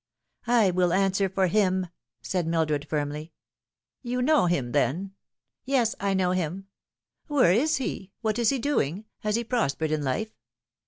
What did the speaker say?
" I will answer for him" said Mildred firmly. " You know him, then ?" "Yes, I know him." " Where is he ? What is he doing ? Has he prospered in life